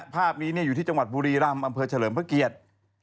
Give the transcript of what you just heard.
ภาพนี้อยู่ที่จังหวัดบุรีรำอำเภอเฉลิมพระเกียรติ